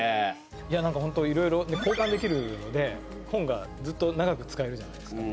いやなんか本当いろいろ交換できるので本がずっと長く使えるじゃないですか。